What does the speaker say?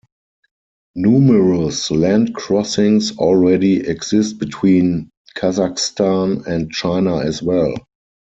Numerous land crossings already exist between Kazakhstan and China as well.